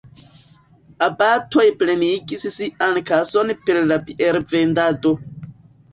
Abatoj plenigis sian kason per la biervendado.